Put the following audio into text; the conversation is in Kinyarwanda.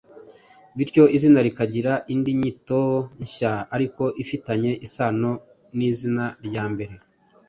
bityo izina rikagira indi nyito nshya ariko ifitanye isano n’izina rya mbere.